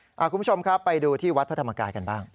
คุณผู้ชมครับไปดูที่วัดพระธรรมกายกันบ้าง